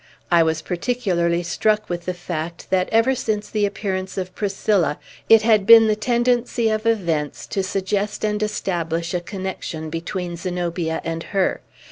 I was particularly struck with the fact that, ever since the appearance of Priscilla, it had been the tendency of events to suggest and establish a connection between Zenobia and her.